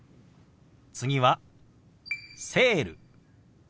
次は「セール」。